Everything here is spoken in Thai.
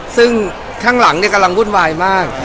ซึ่งข้างหลังกำลังวุ่นวายมาก